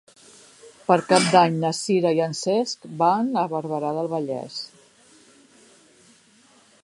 Per Cap d'Any na Sira i en Cesc van a Barberà del Vallès.